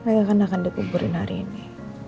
mereka kan akan dipumpulin hari ini